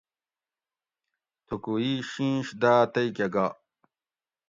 تھوکو ئ شینش داۤ تئ کہ گا